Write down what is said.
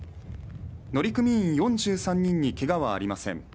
乗組員４３人にけがはありません